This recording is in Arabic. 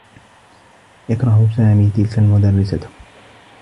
يكره سامي تلك المدرّسة.